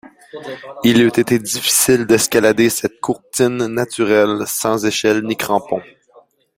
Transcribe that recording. Il eût été difficile d’escalader cette courtine naturelle sans échelles ni crampons.